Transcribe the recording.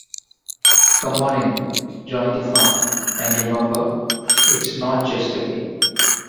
Come on in, join the fun, and remember: It's not just a game...